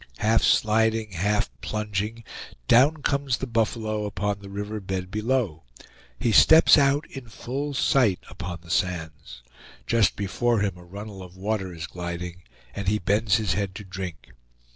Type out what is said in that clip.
Half sliding, half plunging, down comes the buffalo upon the river bed below. He steps out in full sight upon the sands. Just before him a runnel of water is gliding, and he bends his head to drink.